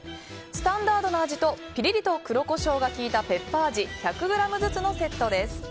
スタンダードな味とピリリと黒コショウが効いたペッパー味１００ｇずつのセットです。